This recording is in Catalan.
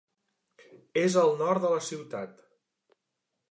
És al nord de la ciutat.